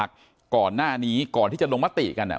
ก่อนหน้านี้ก่อนที่จะลงมติกันเนี่ย